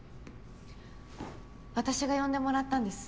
私が呼んでもらったんです。